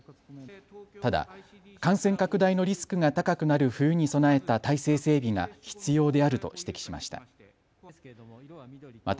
ただ、感染拡大のリスクが高くなる冬に備えた体制整備が必要であると指摘しました。